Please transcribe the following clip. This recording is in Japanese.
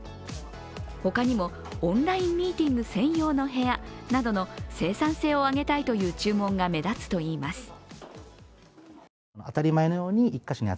他にもオンラインミーティング専用の部屋などの生産性を上げたいという注文が目立つといいます。